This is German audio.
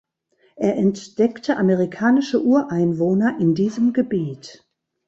Er entdeckte amerikanische Ureinwohner in diesem Gebiet.